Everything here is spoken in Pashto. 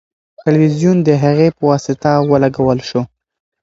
تلویزیون د هغې په واسطه ولګول شو.